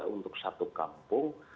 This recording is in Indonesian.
untuk satu kampung